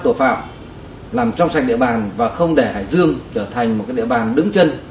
tội phạm làm trong sạch địa bàn và không để hải dương trở thành một địa bàn đứng chân